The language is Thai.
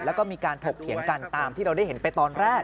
แล้วก็มีการถกเถียงกันตามที่เราได้เห็นไปตอนแรก